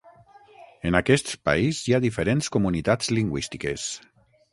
En aquest país hi ha diferents comunitats lingüístiques.